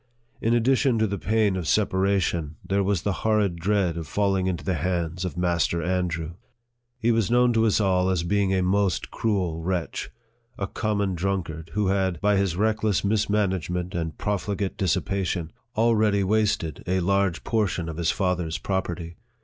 In addition to the pain of separation, there was the horrid dread of falling into the hands of Master Andrew. He was known to us all as being a most cruel wretch, a common drunkard, who had, by his reckless mismanagement and profligate dissipa tion, already wasted a large portion of his father's property.